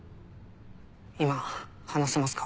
今話せますか？